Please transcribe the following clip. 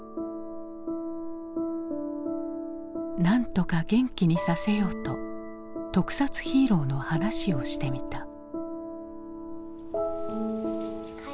なんとか元気にさせようと特撮ヒーローの話をしてみた。